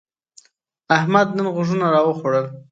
احمد نن غوږونه راوخوړل.